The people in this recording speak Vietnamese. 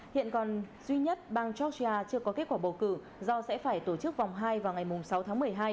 hiện còn duy nhất bang georgia chưa có kết quả bầu cử do sẽ phải tổ chức vòng hai vào ngày sáu tháng một mươi hai